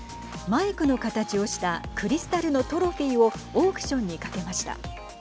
マイクの形をしたクリスタルのトロフィーをオークションにかけました。